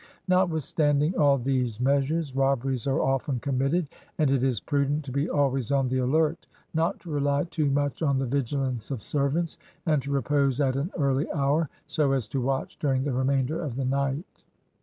Notwithstanding all these measures, robberies are often committed, and it is prudent to be always on the alert, not to rely too much on the vigilance of servants; and to repose at an early hour, so as to watch during the remainder of the night.